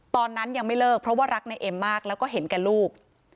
ตอนนั้นยังไม่เลิกเพราะว่ารักในเอ็มมากแล้วก็เห็นแก่ลูก